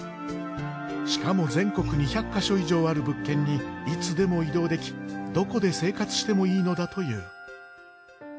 しかも全国２００か所以上ある物件にいつでも移動できどこで生活してもいいのだという。